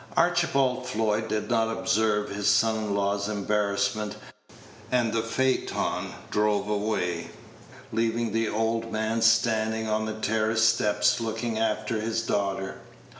Archibald Floyd did not observe his son in law's embarrassment; and the phaeton drove away, leaving the old man standing on the terrace steps looking after his daughter.